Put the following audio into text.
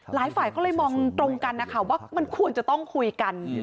หลายฝ่ายก็เลยมองตรงกันนะคะว่ามันควรจะต้องคุยกัน